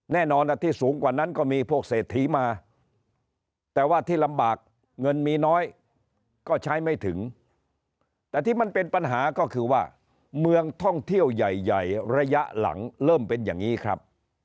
แน่นอนที่สูงกว่านั้นก็มีพวกเศรษฐีมาแต่ว่าที่ลำบากเงินมีน้อยก็ใช้ไม่ถึงแต่ที่มันเป็นปัญหาก็คือว่าเมืองท่องเที่ยวใหญ่ใหญ่ระยะหลังเริ่มเป็นอย่างนี้ครับ